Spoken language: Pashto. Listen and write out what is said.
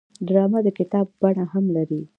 ډرامه د کتاب بڼه هم لري